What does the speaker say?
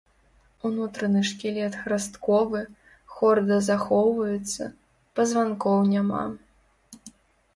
Унутраны шкілет храстковы, хорда захоўваецца, пазванкоў няма.